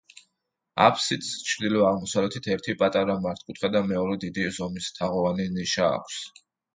აფსიდს ჩრდილო-აღმოსავლეთით ერთი პატარა მართკუთხა და მეორე დიდი ზომის თაღოვანი ნიშა აქვს.